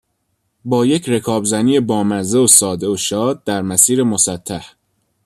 با یک رکابزنی بامزه و ساده و شاد در مسیر مسطح.